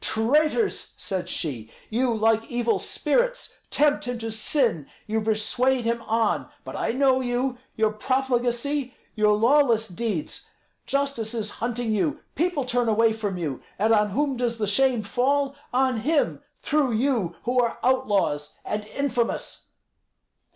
"Traitors!" said she, "you, like evil spirits, tempt him to sin; you persuade him on. But I know you, your profligacy, your lawless deeds. Justice is hunting you; people turn away from you, and on whom does the shame fall? On him, through you who are outlaws, and infamous."